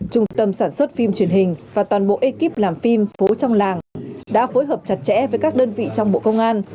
trung tâm sản xuất phim truyền hình và toàn bộ ekip làm phim phố trong làng đã phối hợp chặt chẽ với các đơn vị trong bộ công an